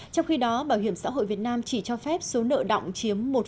trong khi đó bảo hiểm xã hội việt nam chỉ cho phép số nợ động chiếm một chín tổng thu